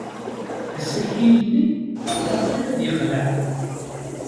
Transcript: Asakal-nni yella qrib ad yeqleɛ.